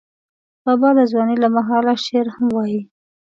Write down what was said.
بابا د ځوانۍ له مهاله شعر هم وایه.